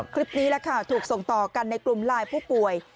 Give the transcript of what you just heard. คลิปนี้แหละค่ะถูกส่งต่อกันในกลุ่มไลน์ผู้ป่วย